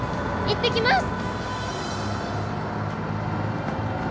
行ってきます！